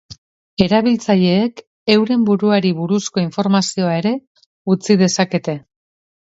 Erabiltzaileek euren buruari buruzko informazioa ere utzi dezakete.